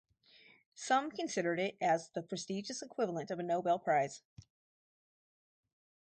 Some considered it as "the prestigious equivalent of a Nobel Prize".